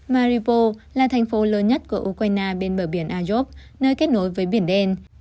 maripos là thành phố lớn nhất của ukraine bên bờ biển agyov nơi kết nối với biển đen